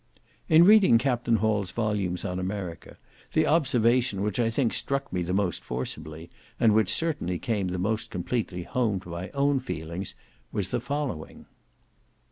In reading Capt. Hall's volumes on America, the observation which, I think, struck me the most forcibly, and which certainly came the most completely home to my own feelings, was the following.